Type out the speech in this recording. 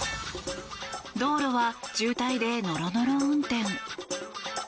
道路は渋滞でノロノロ運転。